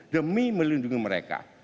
demi melindungi mereka